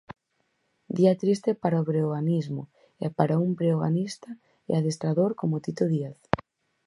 Día triste para o breoganismo e para un breoganista e adestrador como Tito Díaz.